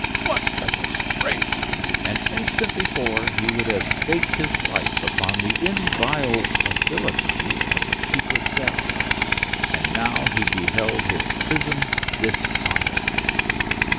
What a disgrace! An instant before he would have staked his life upon the inviolability of the secret cells; and now he beheld his prison dishonored.